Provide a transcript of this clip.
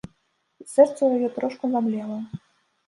І сэрца ў яе трошку замлела.